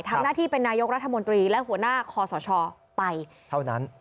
ทำหน้าที่เป็นนายกรัฐมนตรีและหัวหน้าคอสชไปเท่านั้น